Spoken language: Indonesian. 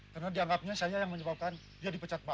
karena dianggapnya saya yang menyebabkan dia dipecat bapak